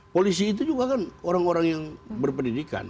polisi itu juga kan orang orang yang berpendidikan